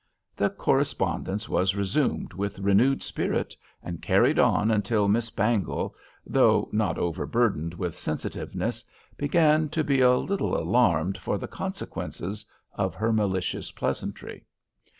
The correspondence was resumed with renewed spirit, and carried on until Miss Bangle, though not overburdened with sensitiveness, began to be a little alarmed for the consequences of her malicious pleasantry.